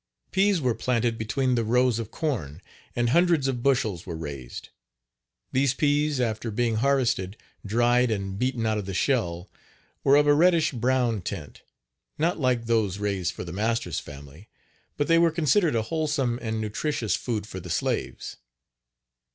Peas were planted between the rows of corn, and hundreds of bushels were raised. These peas after being harvested, dried and beaten out of the shell, were of a reddish brown tint, not like those raised for the master's family, but they were considered a wholesome and nutritious food for the slaves.